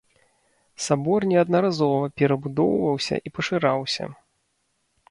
Сабор неаднаразова перабудоўваўся і пашыраўся.